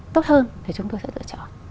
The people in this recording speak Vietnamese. tốt hơn thì chúng tôi sẽ lựa chọn